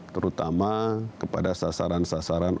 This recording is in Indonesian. terutama kepada sasaran sasaran